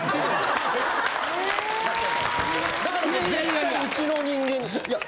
だから絶対うちの人間に。